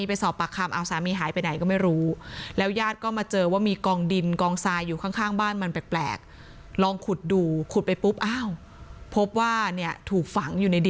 บอกว่าหายตัวไปตั้งแต่วันที่๔